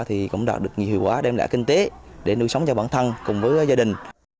thì cũng đạt được nhiều hiệu quả đem lại kinh tế để nuôi sống cho bản thân cùng với gia đình